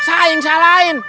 saya yang salahin